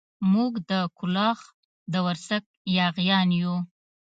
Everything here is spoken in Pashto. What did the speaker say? موږ د کلاخ د ورسک ياغيان يو.